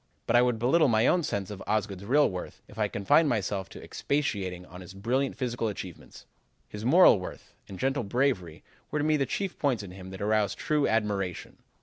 "But I would belittle my own sense of Osgood's real worth if I confined myself to expatiating on his brilliant physical achievements. His moral worth and gentle bravery were to me the chief points in him that arouse true admiration.